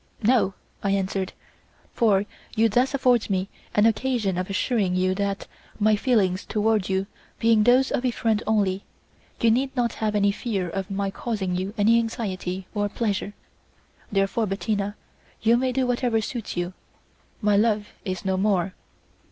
"No," I answered, "for you thus afford me an occasion of assuring you that, my feelings towards you being those of a friend only, you need not have any fear of my causing you any anxiety or displeasure. Therefore Bettina, you may do whatever suits you; my love is no more.